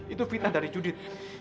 itu fitnah dari judit